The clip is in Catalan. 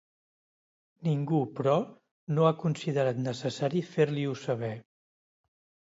Ningú, però, no ha considerat necessari fer-li-ho saber.